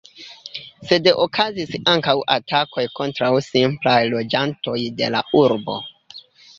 Sed okazis ankaŭ atakoj kontraŭ simplaj loĝantoj de la urbo.